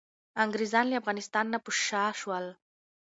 انګریزان له افغانستان نه په شا شول.